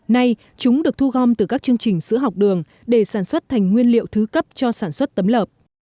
nay chúng được thu gom từ các chương trình sữa học đường để sản xuất thành nguyên liệu thứ cấp cho sản xuất tấm lợp